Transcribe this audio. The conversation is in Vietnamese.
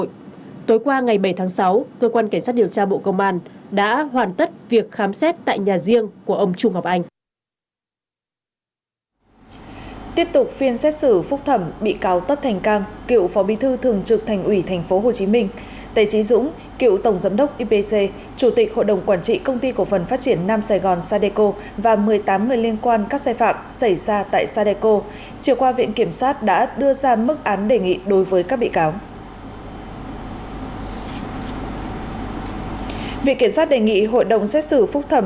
cơ quan cảnh sát điều tra bộ công an đang điều tra vụ án vi phạm quy định về đấu thầu gây hậu quả nghiêm trọng lợi dụng chức vụ